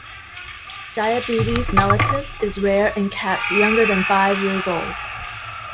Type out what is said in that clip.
Diabetes mellitus is rare in cats younger than five years old.